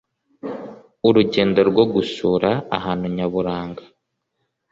urugendo rwo gusura ahantu nyaburanga